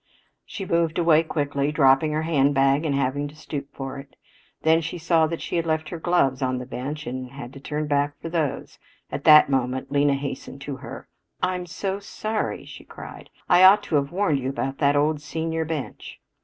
She moved away quickly, dropping her handbag and having to stoop for it. Then she saw that she had left her gloves on the bench and she had to turn back for those. At that moment Lena hastened to her. "I'm so sorry," she cried. "I ought to have warned you about that old senior bench."